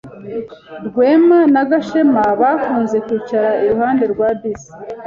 Rwema na Gashema bakunze kwicara iruhande rwa bisi.